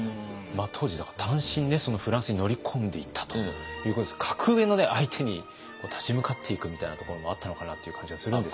当時だから単身フランスに乗り込んでいったということですけど格上の相手に立ち向かっていくみたいなところもあったのかなっていう感じがするんですけど。